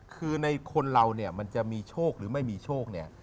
คือในคนเราเนี่ยมันจะมีโชคหรือไม่มีโชคเนี่ย